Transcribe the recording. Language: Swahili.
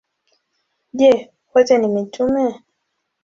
Je, wote ni mitume?